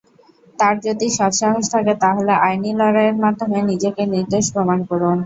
তাঁর যদি সৎসাহস থাকে, তাহলে আইনি লড়াইয়ের মাধ্যমে নিজেকে নির্দোষ প্রমাণ করুন।